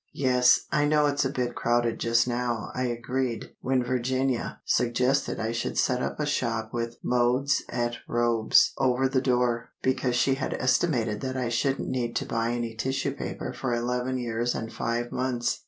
"Yes, I know it's a bit crowded just now," I agreed, when Virginia suggested I should set up a shop with "Modes et Robes" over the door, because she had estimated that I shouldn't need to buy any tissue paper for eleven years and five months.